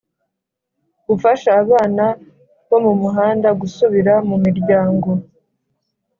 Gufasha abana bo mu muhanda gusubira mu miryango